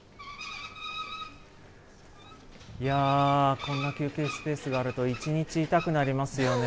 いやあ、こんな休憩スペースがあると一日いたくなりますよね。